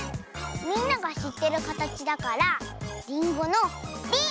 みんながしってるかたちだからりんごの「り」！